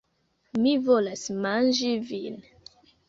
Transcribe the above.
Mi volas manĝi vin!